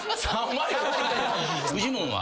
フジモンは？